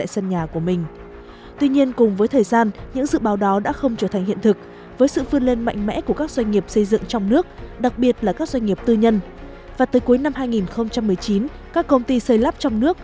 xin chào và hẹn gặp lại trong các video tiếp theo